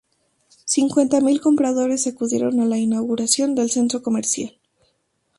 Cincuenta mil compradores acudieron a la inauguración del centro comercial.